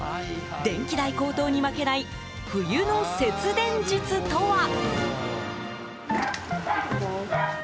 電気代高騰に負けない冬の節電術とは。